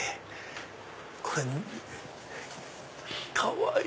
これかわいい！